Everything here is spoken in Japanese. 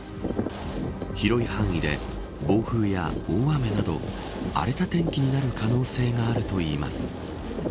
広い範囲で暴風や大雨など荒れた天気になる可能性があるといいます。